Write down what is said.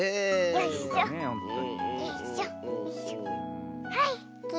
よいしょと。